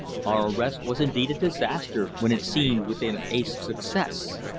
Our arrest was indeed a disaster when we seemed within an ace of success.